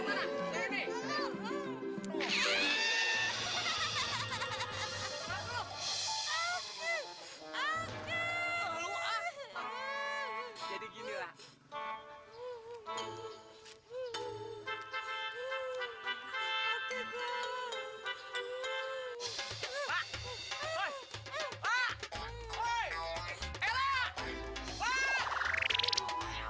bapakku dia bilang aku memang cantik